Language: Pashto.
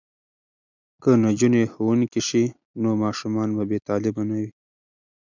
که نجونې ښوونکې شي نو ماشومان به بې تعلیمه نه وي.